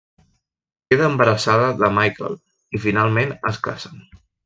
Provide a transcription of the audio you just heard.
Queda embarassada de Michael i finalment es casen.